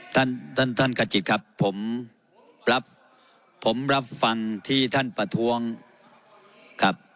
ท่านท่านกระจิตครับผมรับผมรับฟังที่ท่านประท้วงครับ